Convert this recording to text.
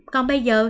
còn bây giờ